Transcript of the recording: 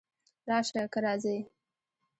راشه! که راځې!